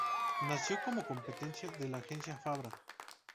Nació como competencia de la agencia Fabra.